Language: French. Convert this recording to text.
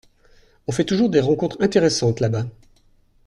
On fait toujours des rencontres intéressantes là-bas.